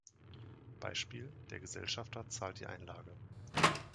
Beispiel: Der Gesellschafter zahlt die Einlage.